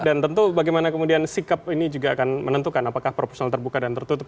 dan tentu bagaimana kemudian sikap ini juga akan menentukan apakah proporsional terbuka dan tertutup